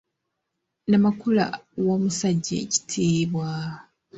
Namakula wa omusajja ekitiibwa.